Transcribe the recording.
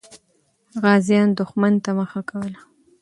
غازیان دښمن ته مخه کوله.